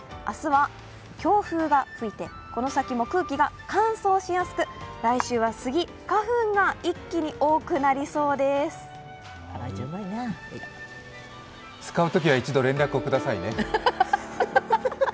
明日は強風が吹いてこの先も空気が乾燥しやすく来週は杉花粉が一気に多くなりそうです。